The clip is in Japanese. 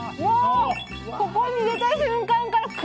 ここに入れた瞬間から栗！